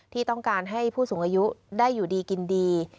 ที่ต้องการให้ผู้สูงอายุได้อยู่ดีกินดี